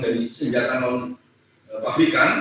dari senjata pabrikan